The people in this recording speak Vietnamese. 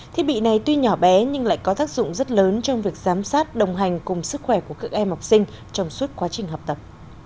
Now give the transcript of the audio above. thiết bị này tuy nhỏ bé nhưng lại có tác dụng rất lớn trong việc giám sát đồng hành cùng sức khỏe của các em học sinh trong suốt quá trình học tập